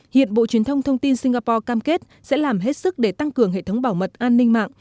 hiện bộ truyền thông thông tin singapore cam kết sẽ làm hết sức để tăng cường hệ thống bảo mật an ninh mạng